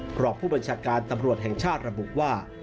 เพราะผู้บัญชาการตำรวจแห่งชาติระบุว่า